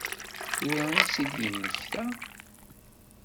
Tura i tt-id-yemmekta?